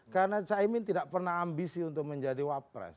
karena cak imin tidak pernah ambisi untuk menjadi wapres